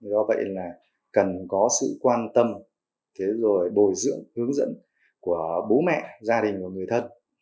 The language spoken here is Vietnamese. do vậy là cần có sự quan tâm bồi dưỡng hướng dẫn của bố mẹ gia đình và người thân